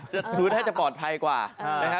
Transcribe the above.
หรือถ้าจะปลอดภัยกว่า